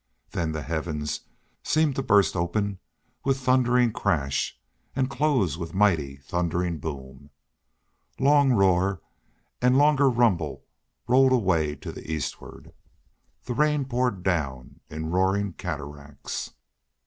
Then the heavens seemed to burst open with thundering crash and close with mighty thundering boom. Long roar and longer rumble rolled away to the eastward. The rain poured down in roaring cataracts.